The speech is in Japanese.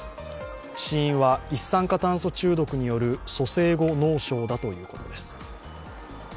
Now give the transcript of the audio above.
死因は一酸化炭素中毒による蘇生後脳症だということです。